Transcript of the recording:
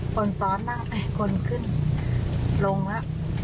คนตอนนั้นคนขึ้นลงละ